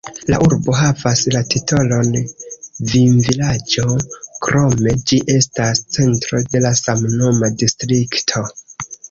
La urbo havas la titolon vinvilaĝo, krome ĝi estas centro de la samnoma distrikto.